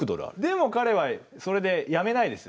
でも彼はそれでやめないですよね。